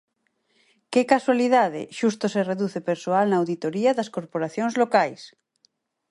¡Que casualidade, xusto se reduce persoal na auditoría das corporacións locais!